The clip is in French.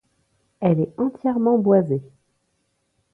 Elle est entièrement boisée.